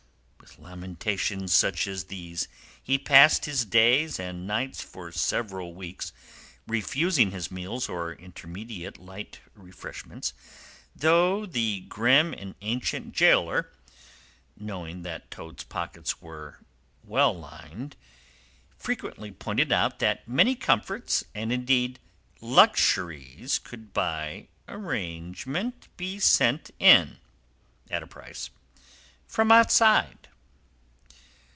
With lamentations such as these he passed his days and nights for several weeks, refusing his meals or intermediate light refreshments, though the grim and ancient gaoler, knowing that Toad's pockets were well lined, frequently pointed out that many comforts, and indeed luxuries, could by arrangement be sent in—at a price—from outside.